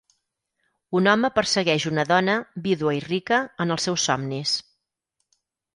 Un home persegueix una dona, vídua i rica, en els seus somnis.